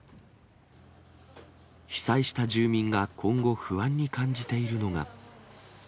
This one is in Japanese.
被災した住民が今後、不安に感じているのが。